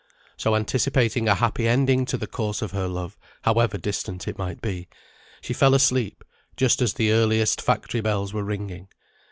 So anticipating a happy ending to the course of her love, however distant it might be, she fell asleep just as the earliest factory bells were ringing.